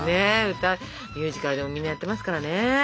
歌ミュージカルでもみんなやってますからね